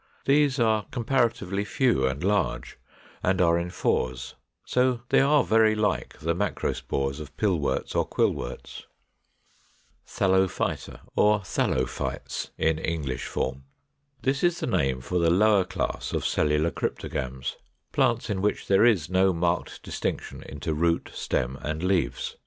These are comparatively few and large, and are in fours; so they are very like the macrospores of Pillworts or Quillworts. 503. =Thallophyta, or Thallophytes= in English form. This is the name for the lower class of Cellular Cryptogams, plants in which there is no marked distinction into root, stem, and leaves.